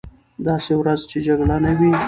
داسې ورځ چې جګړه نه وي.